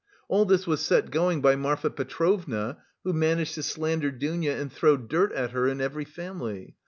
All this was set going by Marfa Petrovna who managed to slander Dounia and throw dirt at her in every family.